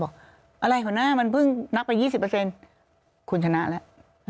บอกอะไรผู้หน้ามันเพิ่งนับไปยี่สิบเปอร์เซ็นต์คุณชนะแล้ว